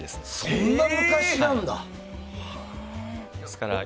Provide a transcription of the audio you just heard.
そんな昔なんだ。